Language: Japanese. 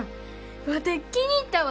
ワテ気に入ったわ！